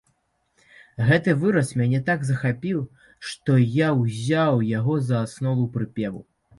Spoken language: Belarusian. Гэты выраз мяне так захапіў, што я ўзяў яго за аснову прыпеву.